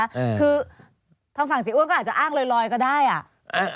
คือทางฝั่งสีอ้วนก็อ้างลอยก็ได้